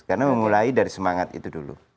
karena mulai dari semangat itu dulu